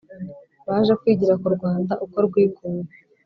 Baje kwigira ku rwanda uko rwikuye